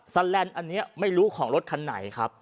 แลนด์อันนี้ไม่รู้ของรถคันไหนครับ